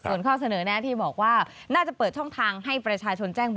ส่วนข้อเสนอแน่ที่บอกว่าน่าจะเปิดช่องทางให้ประชาชนแจ้งบ่อ